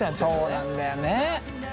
そうなんだよね。